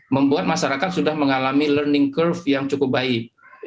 membuat masyarakat sudah mengalami learning curve yang cukup baik